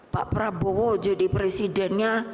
pak prabowo jadi presidennya